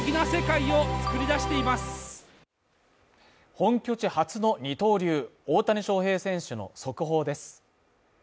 本拠地初の二刀流大谷翔平選手の速報です。